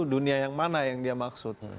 dunia yang mana yang dia maksud